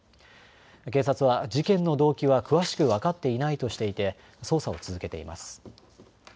警察は事件の動機は詳しく分かっていないとしていて捜査を続けています。